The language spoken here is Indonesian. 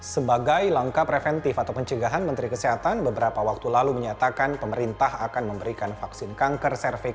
sebagai langkah preventif atau pencegahan menteri kesehatan beberapa waktu lalu menyatakan pemerintah akan memberikan vaksin kanker cervix